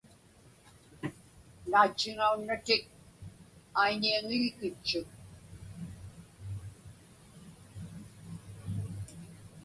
Naatchiŋaunnatik aiñiaŋiḷgitchuk.